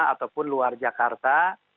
ataupun luar jakarta